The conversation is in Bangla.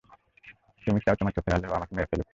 তুমি চাও তোমার চোখের আড়ালে ও আমাকে মেরে ফেলুক?